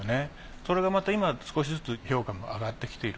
それがまた今少しずつ評価も上がってきている。